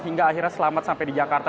hingga akhirnya selamat sampai di jakarta